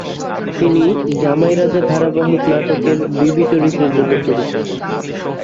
তিনি "জামাই রাজা" ধারাবাহিক নাটকের বিবি চরিত্রের জন্য পরিচিত।